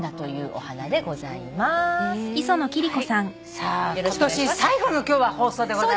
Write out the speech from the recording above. さあ今年最後の今日は放送でございます。